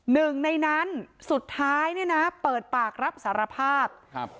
หนึ่งในนั้นสุดท้ายเนี่ยนะเปิดปากรับสารภาพครับ